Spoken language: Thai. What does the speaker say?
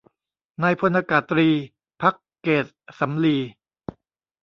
นายพลอากาศตรี ภักดิ์เกษสำลี